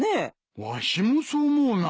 わしもそう思うな。